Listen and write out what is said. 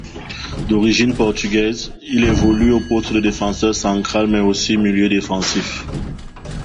D'origine portugaise, il évolue au poste de défenseur central mais aussi milieu défensif.